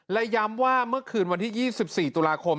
และย้ำว่าเมื่อคืนวันที่๒๔ตุลาคม